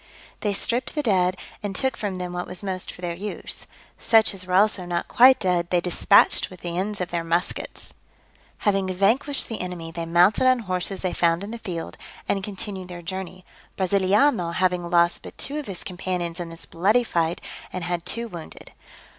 They stripped the dead, and took from them what was most for their use; such as were also not quite dead they dispatched with the ends of their muskets. Having vanquished the enemy, they mounted on horses they found in the field, and continued their journey; Brasiliano having lost but two of his companions in this bloody fight, and had two wounded.